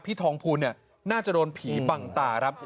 พี่ทองพูลน่าจะโดนผีบั่งตา